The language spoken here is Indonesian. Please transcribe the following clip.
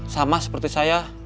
sama seperti saya